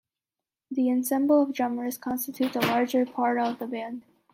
The ensemble of drummers constitute the larger part of the band.